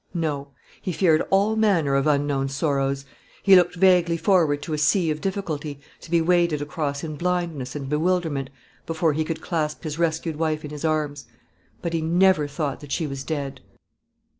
No; he feared all manner of unknown sorrows; he looked vaguely forward to a sea of difficulty, to be waded across in blindness and bewilderment before he could clasp his rescued wife in his arms; but he never thought that she was dead.